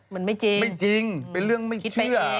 มันไม่จริงไม่จริงเป็นเรื่องไม่เชื่อ